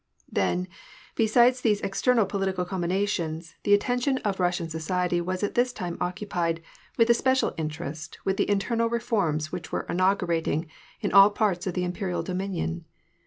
Theii, besides these external political combinations, the at tention of Russian society was at this time occupied with especial interest with the internal reforms which were inaug urating in all parts of the imperial dominion.